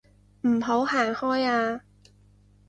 唔好行開啊